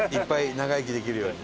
長生きできますように。